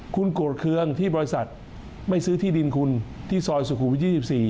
คุณโกรธเครื่องที่บริษัทไม่ซื้อที่ดินคุณที่ซอยสุขุมวิท๒๔